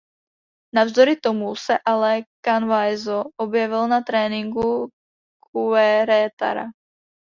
Navzdory tomu se ale Canvaezzo objevil na tréninku Querétara.